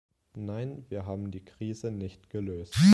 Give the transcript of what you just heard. Nein, wir haben die Krise nicht gelöst.